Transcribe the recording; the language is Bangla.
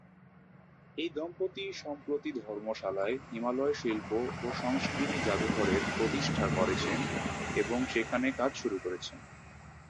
এই দম্পতি সম্প্রতি ধর্মশালায় হিমালয় শিল্প ও সংস্কৃতি যাদুঘরের প্রতিষ্ঠা করেছেন এবং সেখানে কাজ শুরু করেছেন।